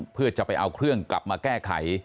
เพื่อจะไปเอาเครื่องกลับมาแก้ไข